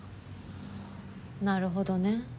なるほどね。